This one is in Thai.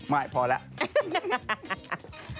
ไม่พอแล้ว